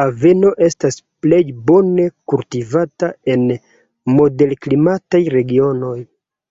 Aveno estas plej bone kultivata en moderklimataj regionoj.